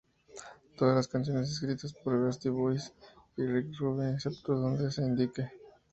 Todas las canciones escritas por Beastie Boys y Rick Rubin, excepto donde se indique